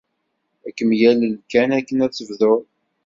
Ad kem-yalel kan akken ad tebdud.